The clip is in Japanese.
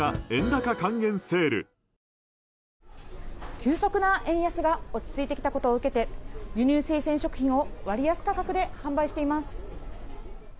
急速な円安が落ち着いてきたことを受けて輸入生鮮食品を割安価格で販売しています。